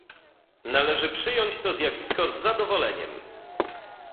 Należy przyjąć to zjawisko z zadowoleniem